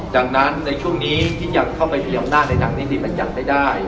ดังนั้นในช่วงนี้ที่จะเข้าไปมีอำนาจในดังนี้ที่มันจัดไม่ได้